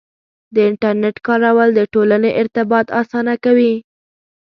د انټرنیټ کارول د ټولنې ارتباط اسانه کوي.